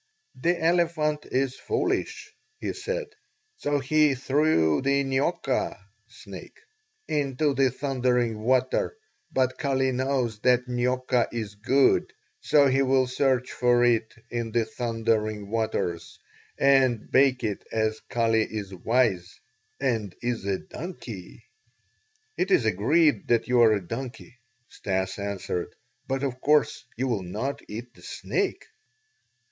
"The elephant is foolish," he said, "so he threw the nioka (snake) into the thundering water, but Kali knows that nioka is good; so he will search for it in the thundering waters, and bake it as Kali is wise and is a donkey." "It is agreed that you are a donkey," Stas answered, "but of course you will not eat the snake."